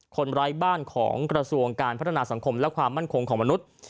ไร้บ้านของกระทรวงการพัฒนาสังคมและความมั่นคงของมนุษย์